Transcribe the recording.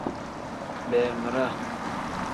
Beemiraa.